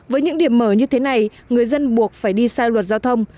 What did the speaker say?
với những điểm mở như thế này người dân buộc phải đi sai luật giao thông